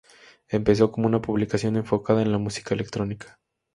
Empezó como una publicación enfocada en la música electrónica.